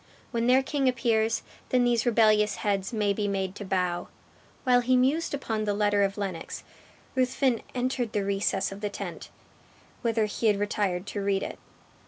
When their king appears, then these rebellious heads may be made to bow." While he mused upon the letter of Lennox, Ruthven entered the recess of the tent, whither he had retired to read it.